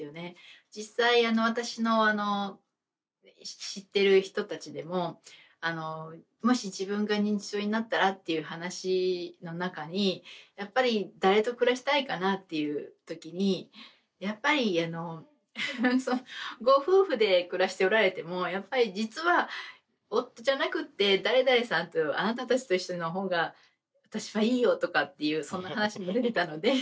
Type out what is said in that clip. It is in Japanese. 実際私の知ってる人たちでももし自分が認知症になったらっていう話の中にやっぱり誰と暮らしたいかなっていう時にやっぱりご夫婦で暮らしておられてもやっぱり実は夫じゃなくって誰々さんとあなたたちと一緒の方が私はいいよとかっていうそんな話も出てたので。